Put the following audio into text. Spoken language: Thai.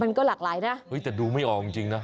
มันก็หลากหลายนะเฮ้ยแต่ดูไม่ออกจริงนะ